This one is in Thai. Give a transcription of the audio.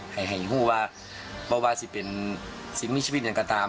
ให้ห่วว่าบ้าวาสิเป็นสิ่งไม่ชะพิษอย่างกันตาม